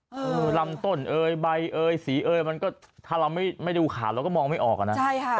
หลังต้นเอ๊ยใบเอ๊ยสีเอ๊ยมันก็มองไม่ออกนะ